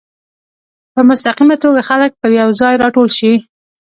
په مستقیمه توګه خلک پر یو ځای راټول شي.